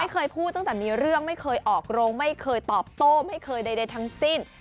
เคยพูดตั้งแต่มีเรื่องไม่เคยออกโรงไม่เคยตอบโต้ไม่เคยใดทั้งสิ้น